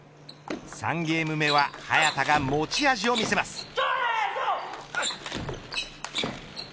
３ゲーム目は、早田が持ち味を見せます。